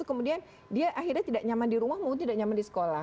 kemudian dia akhirnya tidak nyaman di rumah maupun tidak nyaman di sekolah